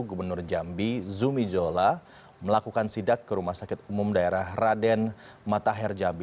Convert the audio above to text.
gubernur jambi zumi zola melakukan sidak ke rumah sakit umum daerah raden matahir jambi